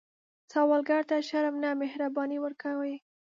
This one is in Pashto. سوالګر ته شرم نه، مهرباني ورکوئ